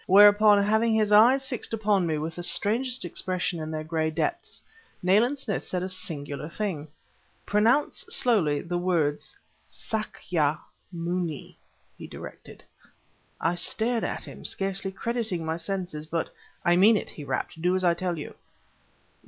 Thereupon, having his eyes fixed upon me with the strangest expression in their gray depths, Nayland Smith said a singular thing. "Pronounce, slowly, the words Sâkya Mûni,'" he directed. I stared at him, scarce crediting my senses; but "I mean it!" he rapped. "Do as I tell you."